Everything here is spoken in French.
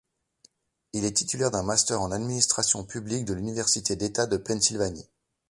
Il est titulaire d'un master en administration publique de l'Université d'État de Pennsylvanie.